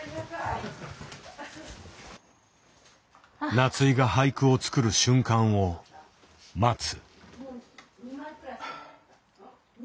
夏井が俳句を作る瞬間を待つ。